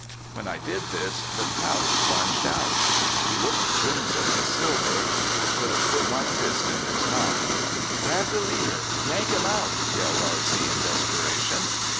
When I did this the trout lunged out. He looked crimson and silver. I could have put my fist in his mouth. "Grab the leader! Yank him out!" yelled R.C. in desperation.